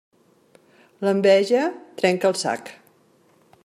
L'enveja trenca el sac.